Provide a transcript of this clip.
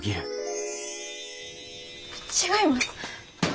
違います。